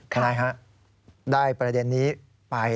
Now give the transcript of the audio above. ถ้านายคะได้ประเด็นนี้ไป